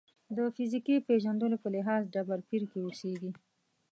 د فیزیکي پېژندلو په لحاظ ډبرپېر کې اوسېږي.